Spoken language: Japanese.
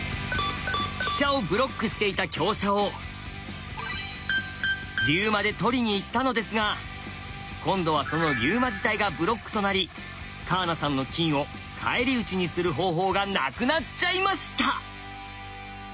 飛車をブロックしていた香車を龍馬で取りにいったのですが今度はその龍馬自体がブロックとなり川名さんの金を返り討ちにする方法がなくなっちゃいました。